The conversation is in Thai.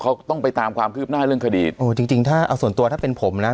เขาต้องไปตามความคืบหน้าเรื่องคดีโอ้จริงจริงถ้าเอาส่วนตัวถ้าเป็นผมนะ